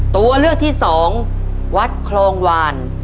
ตัวเลือกที่สองวัดคลองวาน